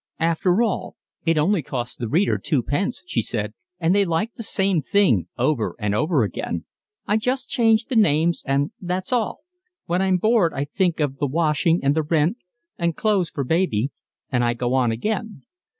"After all, it only costs the reader twopence," she said, "and they like the same thing over and over again. I just change the names and that's all. When I'm bored I think of the washing and the rent and clothes for baby, and I go on again."